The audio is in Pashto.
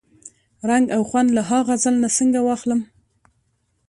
رنګ او خوند له ها غزل نه څنګه واخلم؟